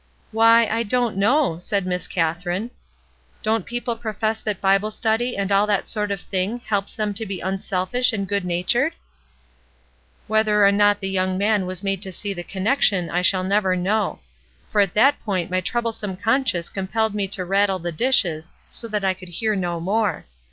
'"Why, I don't know,' said Katherine. 'Don't people profess that Bible study and all that sort of thing helps them to be unselfish and good natured?' "Whether or not the young man was made to 82 ESTER RIED'S NAMESAKE see the connection I shall never know ; for at that point my troublesome conscience compelled me to rattle the dishes so that I could hear no more.